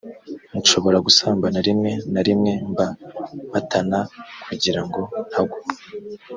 nshobora gusambana rimwe na rimwe mba mpatana kugira ngo ntagwa